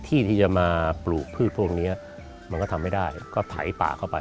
ที่ที่จะมาปลูกพืชพวกนี้มันก็ทำไม่ได้ก็ไถป่าเข้าไป